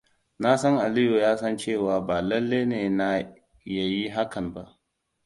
Na san Aliyu ya san cewa ba lallai ne ya yi hakan ba.